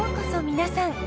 皆さん。